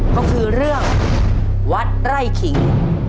ก็คือเรื่องวัดไร่ขิง